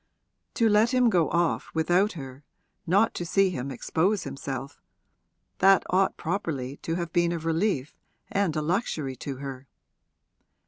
To let him go off without her, not to see him expose himself that ought properly to have been a relief and a luxury to her.